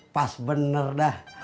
pas bener dah